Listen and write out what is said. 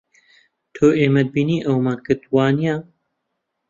تۆ ئێمەت بینی ئەوەمان کرد، وانییە؟